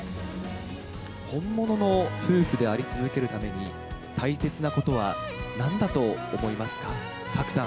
本物の夫婦であり続けるために、大切なことはなんだと思いますか？